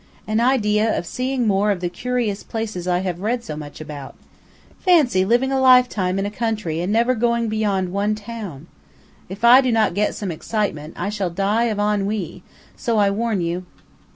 "An idea of seeing more of the curious places I have read so much about. Fancy living a lifetime in a country and never going beyond one town! If I do not get some excitement, I shall die of ennui, so I warn you."